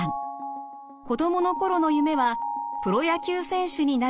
子どもの頃の夢はプロ野球選手になることでした。